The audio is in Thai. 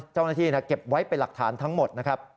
เจ้าหน้าที่เก็บไว้เป็นหลักฐานทั้งหมดนะครับ